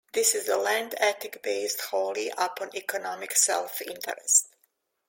This is a land ethic based wholly upon economic self-interest.